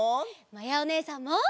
まやおねえさんも！